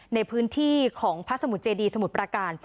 ในพื้นที่ของพระสมุทรเจดีสมุทรประการ